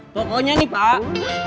pokoknya nih pak